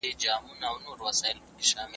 کور مو جنت جوړ کړئ.